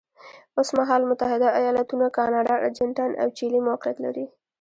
اوس مهال متحده ایالتونه، کاناډا، ارجنټاین او چیلي موقعیت لري.